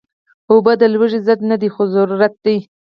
اوبه د لوږې ضد نه دي، خو ضرورت دي